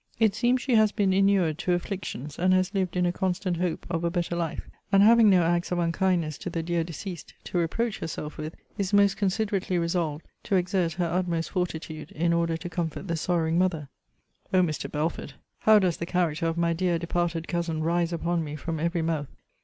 It seems she has been inured to afflictions; and has lived in a constant hope of a better life; and, having no acts of unkindness to the dear deceased to reproach herself with, is most considerately resolved to exert her utmost fortitude in order to comfort the sorrowing mother. O Mr. Belford, how does the character of my dear departed cousin rise upon me from every mouth!